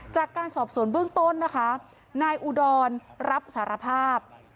จากการสอบสวนเบื้องต้นนะคะนายอุดรรับสารภาพ